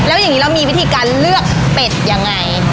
แล้วอย่างนี้เรามีวิธีการเลือกเป็ดยังไง